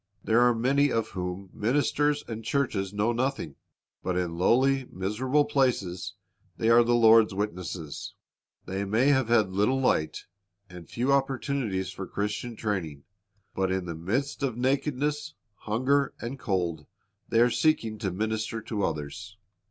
There are many of whom ministers and churches know nothing. But in lowly, miserable places they are the Lord's witnesses. They may have had little light, and few opportunities for Christian training; but in the midst of nakedness, hunger, and cold they arc seeking to minister to others.